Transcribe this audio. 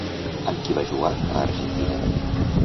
Amb qui va jugar a Argentina?